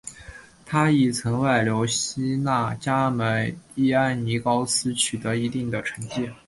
他亦曾外流希腊加盟伊安尼高斯取得一定的成绩。